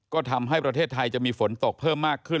ก็ทำให้ประเทศไทยจะมีฝนตกเพิ่มมากขึ้น